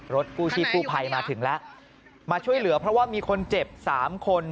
กู้ชีพกู้ภัยมาถึงแล้วมาช่วยเหลือเพราะว่ามีคนเจ็บสามคน